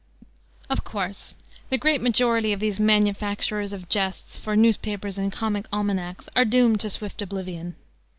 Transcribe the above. Of course the great majority of these manufacturers of jests for newspapers and comic almanacs are doomed to swift oblivion.